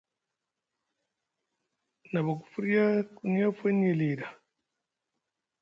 Na ɓa ku firya ɓa ku niyafu aŋye lii ɗa.